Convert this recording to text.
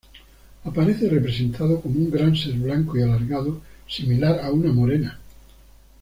Aparece representado como un gran ser blanco y alargado similar a una morena.